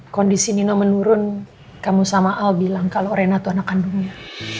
kondisi nino menurun kamu sama al bilang kalau rena tuh anak kandungnya